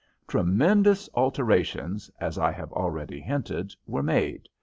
Tremendous alterations, as I have already hinted, were made.